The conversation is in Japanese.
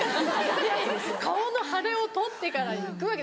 いやいや顔の腫れを取ってから行くわけ。